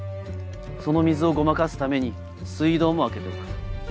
その水をごまかすために水道も開けておく。